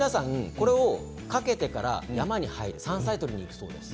これをかけてから山に入る山菜採りに行くそうです。